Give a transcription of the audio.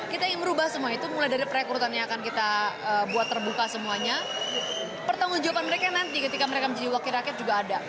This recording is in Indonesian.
kita ingin merubah semua itu mulai dari perekrutan yang akan kita buat terbuka semuanya pertanggung jawaban mereka nanti ketika mereka menjadi wakil rakyat juga ada